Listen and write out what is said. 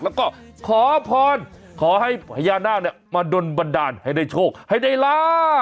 แล้วก็ขอพรขอให้พญานาคมาดนบันดาลให้ได้โชคให้ได้ลาบ